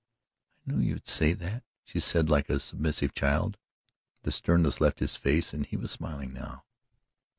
"I knew you would say that," she said like a submissive child. The sternness left his face and he was smiling now.